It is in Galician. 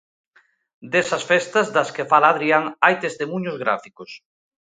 Desas festas das que fala Adrián hai testemuños gráficos.